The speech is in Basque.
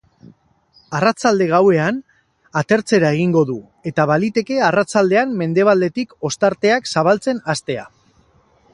Arratsalde-gauean, atertzera egingo du, eta baliteke arratsaldean mendebaldetik ostarteak zabaltzen hastea.